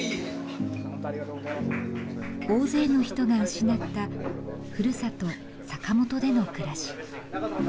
大勢の人が失ったふるさと坂本での暮らし。